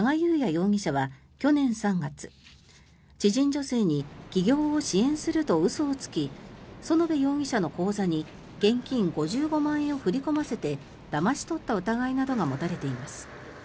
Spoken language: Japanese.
容疑者は去年３月、知人女性に起業を支援すると嘘をつき園部容疑者の口座に現金５５万円を振り込ませてだまし取った疑いなどが持たれています。